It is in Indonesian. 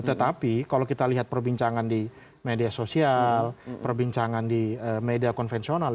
tetapi kalau kita lihat perbincangan di media sosial perbincangan di media konvensional